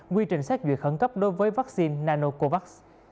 quy trình xét duyệt khẩn cấp đối với vaccine nanocovax